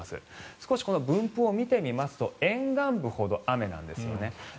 少し分布を見てみますと沿岸部ほど雨なんですよね。